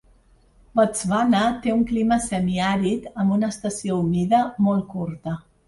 Botswana té un clima semiàrid amb una estació humida molt curta.